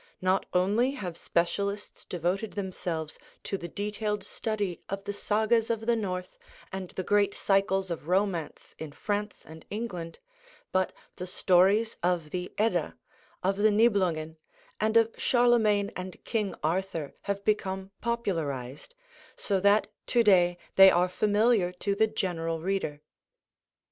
Not only have specialists devoted themselves to the detailed study of the Sagas of the North and the great cycles of Romance in France and England, but the stories of the Edda, of the Nibelungen, and of Charlemagne and King Arthur have become popularized, so that to day they are familiar to the general reader.